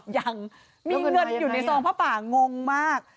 ยังมีเงินอยู่ในซองผ้าป่างงมาก